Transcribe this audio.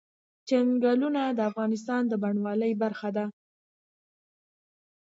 چنګلونه د افغانستان د بڼوالۍ برخه ده.